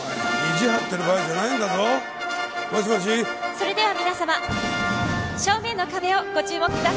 それでは皆様正面の壁をご注目ください。